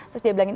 terus dia bilang